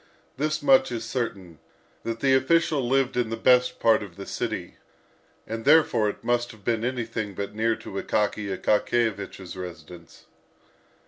This much is certain, that the official lived in the best part of the city; and therefore it must have been anything but near to Akaky Akakiyevich's residence.